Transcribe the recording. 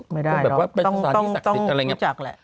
ไม่ได้หรอกต้องพูดจากแหละ